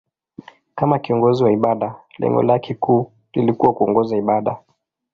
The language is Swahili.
Kama kiongozi wa ibada, lengo lake kuu lilikuwa kuongoza ibada.